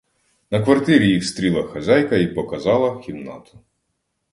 На квартирі їх стріла хазяйка і показала кімнату.